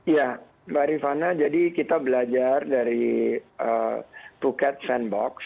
ya mbak arifana jadi kita belajar dari phuket sandbox